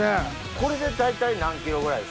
これで大体何ｋｇぐらいですか？